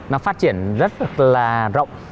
nó phát triển rất là rộng